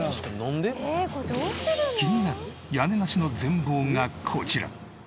気になる屋根なしの全貌がこちら。